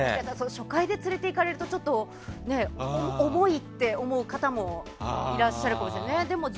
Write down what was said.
初回で連れていかれると重いって思う方もいらっしゃるかもしれないですね。